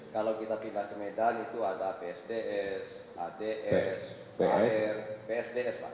kalau kita pindah ke medan itu ada psds ads ar psds pak